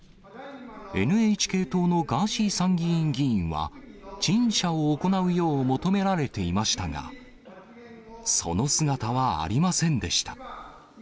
ＮＨＫ党のガーシー参議院議員は、陳謝を行うよう求められていましたが、その姿はありませんでした。